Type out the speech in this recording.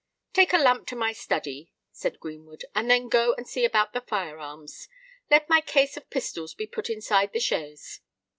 "Take a lamp to my study," said Greenwood; "and then go and see about the fire arms. Let my case of pistols be put inside the chaise."